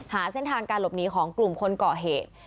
หาเส้นทางการหลบหนีของกลุ่มคนก่อเหตุ